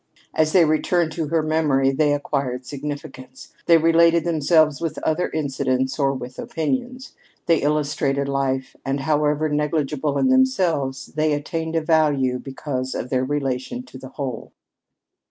As they returned to her memory, they acquired significance. They related themselves with other incidents or with opinions. They illustrated life, and however negligible in themselves, they attained a value because of their relation to the whole.